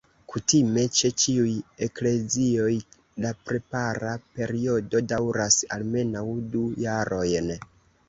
Kutime, ĉe ĉiuj eklezioj la prepara periodo daŭras almenaŭ du jarojn.